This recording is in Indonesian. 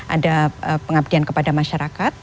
ada pengabdian kepada masyarakat